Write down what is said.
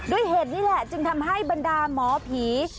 เหตุนี่แหละจึงทำให้บรรดาหมอผี